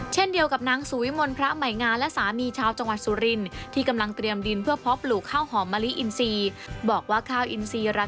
เช่นเดียวกับนางสุวิมลพระไหมงาและสามีชาวจังหวัดสุรินทร์ที่กำลังเตรียมดินเพื่อพอปลูกข้าวหอมมะลิอินซี